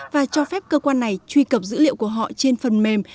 và cho phép cơ quan này truy cập dữ liệu của họ trên phần mềm